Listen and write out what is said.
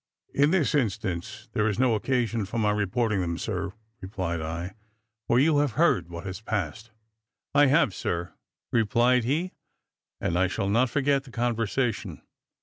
"In this instance there is no occasion for my reporting them, sir," replied I, "for you have heard what has passed." "I have, sir," replied he; "and I shall not forget the conversation."